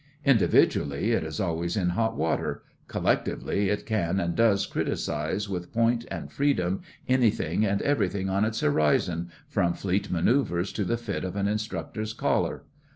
Individually it is always in hot water; collectively it can and does criticise with point and freedom anything and everything on its horizon, from Fleet Manœuvres to the fit of an Instructor's collar.